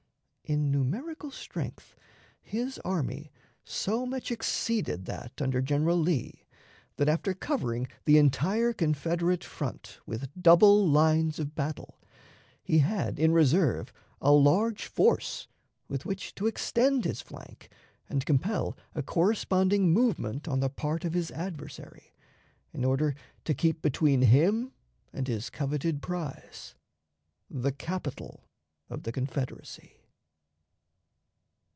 "In numerical strength his army so much exceeded that under General Lee that, after covering the entire Confederate front with double lines of battle, he had in reserve a large force with which to extend his flank and compel a corresponding movement on the part of his adversary, in order to keep between him and his coveted prize the capital of the Confederacy."